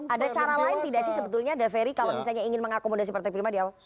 ada cara lain tidak sih sebetulnya daveri kalau misalnya ingin mengakomodasi partai prima di awal